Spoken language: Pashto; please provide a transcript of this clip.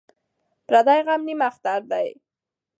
ـ پردى غم نيم اختر دى.